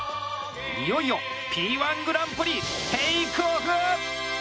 いよいよ「Ｐ−１グランプリ」テイクオフ！